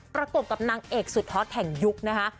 ประกบกับนางเอกสุดฮอตแห่งยุคนะคะ